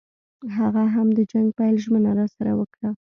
هغه هم د جنګ پیل ژمنه راسره وکړه.